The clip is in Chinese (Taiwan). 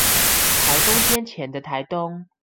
颱風天前的台東